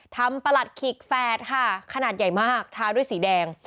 ประหลัดขิกแฝดค่ะขนาดใหญ่มากทาด้วยสีแดง